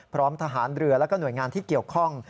พร้อมทหารเรือและหน่วยงานที่เกี่ยวข้อง